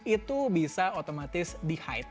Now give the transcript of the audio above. itu bisa otomatis di hide